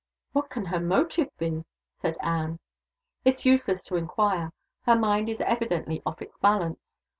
"What can her motive be?" said Anne. "It's useless to inquire. Her mind is evidently off its balance.